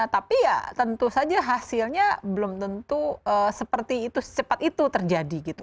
tapi ya tentu saja hasilnya belum tentu seperti itu secepat itu terjadi gitu